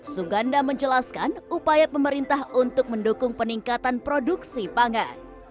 suganda menjelaskan upaya pemerintah untuk mendukung peningkatan produksi pangan